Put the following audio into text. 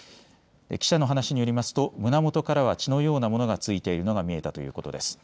記者の話によりますと胸元からは血のようなものが付いているのが見えたということです。